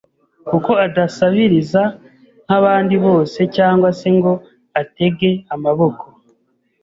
kuko adasabiriza nk’abandi bose cyangwa se ngo atege amaboko,